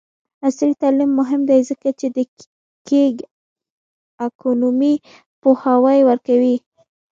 عصري تعلیم مهم دی ځکه چې د ګیګ اکونومي پوهاوی ورکوي.